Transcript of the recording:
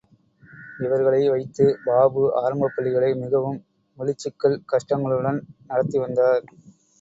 இவர்களை வைத்துப் பாபு ஆரம்பப் பள்ளிகளை மிகவும் மொழிச் சிக்கல் கஷ்டங்களுடன் நடத்தி வந்தார்.